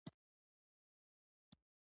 هوسۍ وویل زه او اشنا مې دلته څریدو.